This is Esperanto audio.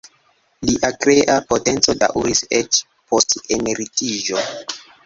Lia krea potenco daŭris eĉ post emeritiĝo.